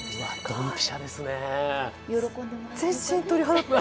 ドンピシャですね。